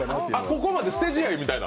ここまで捨て試合みたいな？